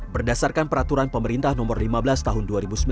berdasarkan peraturan pemerintah nomor lima belas tahun dua ribu sembilan belas